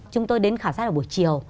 chúng tôi đến khảo sát vào buổi chiều